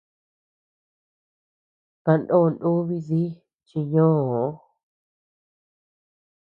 Kanó ndúbi dí chi ñoo.